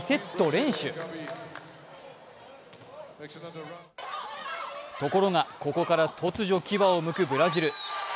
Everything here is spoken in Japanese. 連取ところが、ここから突如牙をむくブラジル。